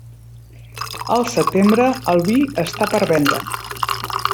Al setembre, el vi està per vendre.